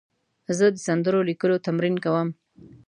زه د سندرو لیکلو تمرین کوم.